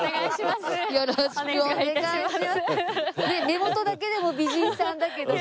目元だけでも美人さんだけどさ